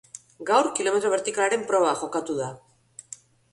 Gaur kilometro bertikalaren proba jokatu da.